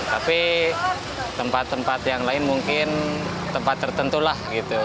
tapi tempat tempat yang lain mungkin tempat tertentu lah gitu